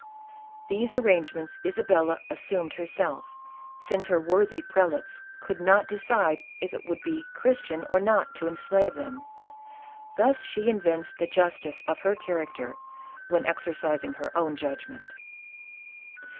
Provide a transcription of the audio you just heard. These arrangements Isabella assumed herself, since her worthy prelates could not decide if it would be Christian or not to enslave them ; thus she evinced the justice of her character, when ex ercising her own judgment.